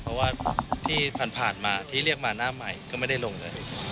เพราะว่าที่ผ่านมาที่เรียกมาหน้าใหม่ก็ไม่ได้ลงเลย